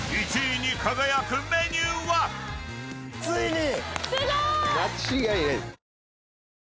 ついに！